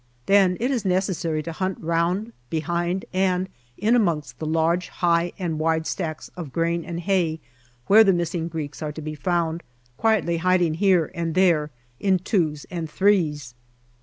Then it is necessary to hunt round behind and in amongst the large high and wide stacks of grain and hay, where the missing Greeks are to be found quietly hiding here and there in twos and threes.